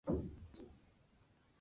落叶乔木。